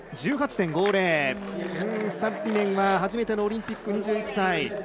サッリネンは初めてのオリンピック、２１歳。